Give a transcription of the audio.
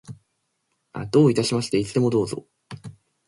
どういたしまして。いつでもどうぞ。